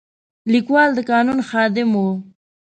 لیکوال د قانون خادم و.